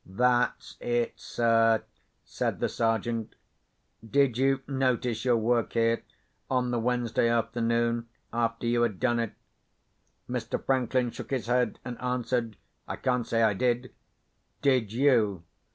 "That's it, sir," said the Sergeant. "Did you notice your work here, on the Wednesday afternoon, after you had done it?" Mr. Franklin shook his head, and answered, "I can't say I did." "Did _you?